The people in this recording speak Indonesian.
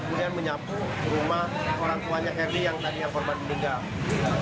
kemudian menyapu rumah orang tuanya herli yang tadi yang korban meninggal